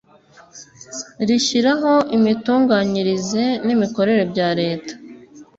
rishyiraho imitunganyirize n imikorere bya leta